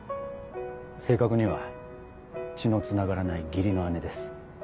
正確には血のつながらない義理の姉です。